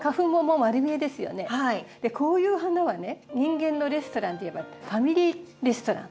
こういう花はね人間のレストランでいえばファミリーレストラン。